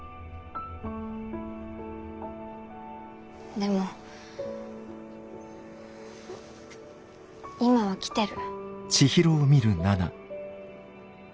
でも今は来てる。